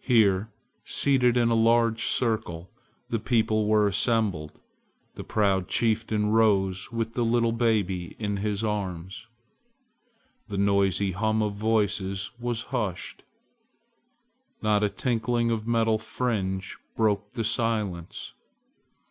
Here seated in a large circle, the people were assembled, the proud chieftain rose with the little baby in his arms. The noisy hum of voices was hushed. Not a tinkling of a metal fringe broke the silence.